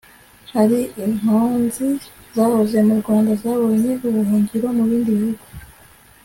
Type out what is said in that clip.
hari impunzi zahoze mu rwanda zabonye ubuhungiro mu bindi bihugu